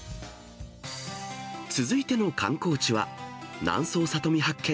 続いての観光地は、南総里見八犬